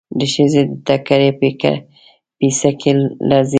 د ښځې د ټکري پيڅکې لړزېدلې.